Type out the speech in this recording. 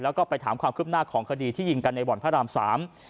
แล้วก็ไปถามความคืบหน้าของคดีที่ยิงกันในบ่อนพระรามสาม